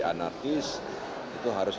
anarkis itu harus